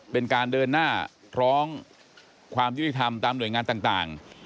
เป็นการเดินหน้าร้องความยุติธรรมตามหน่วยงานต่าง